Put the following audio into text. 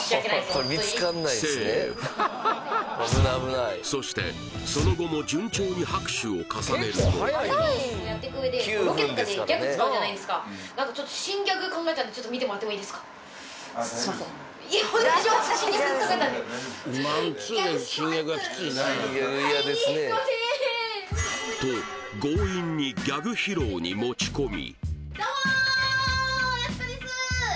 ホントにそしてその後も順調に拍手を重ねるとと強引にギャグ披露に持ち込み